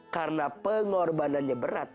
karena pengorbanannya berat